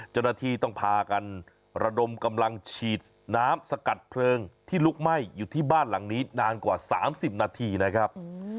เจ้าหน้าที่ต้องพากันระดมกำลังฉีดน้ำสกัดเพลิงที่ลุกไหม้อยู่ที่บ้านหลังนี้นานกว่า๓๐นาทีนะครับ